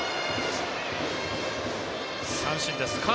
三振です。